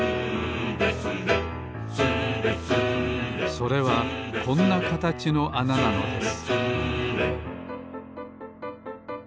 それはこんなかたちのあななのです